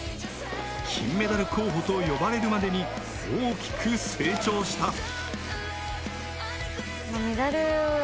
金メダル候補と呼ばれるまでに大きく成長した。